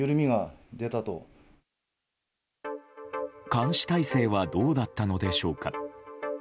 監視体制はどうだったのでしょうか。